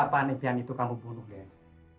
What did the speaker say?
sampai kapan impian itu kamu bunuh des